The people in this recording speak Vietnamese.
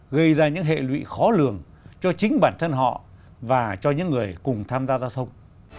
gây ra những hệ lụy khó lường cho chính bản thân họ và cho những người cùng tham gia giao thông